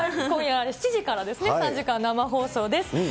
今夜７時からですね、３時間生放送です。